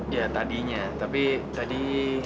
ya tadinya tapi tadi